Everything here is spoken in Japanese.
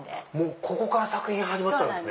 ここから作品始まってたんですね。